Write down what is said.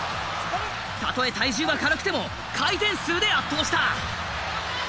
たとえ体重は軽くても回転数で圧倒した。